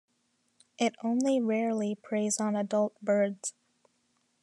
It only rarely preys on adult birds.